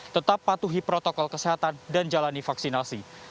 tetap patuhi protokol kesehatan dan jalani vaksinasi